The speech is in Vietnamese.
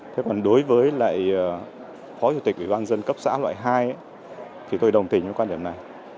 thế còn đối với lại phó chủ tịch ủy ban dân cấp xã loại hai thì tôi đồng tình với quan điểm này